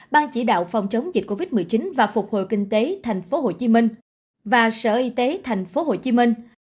ban chỉ đạo phòng chống dịch covid một mươi chín và phục hồi kinh tế tp hcm và sở y tế tp hcm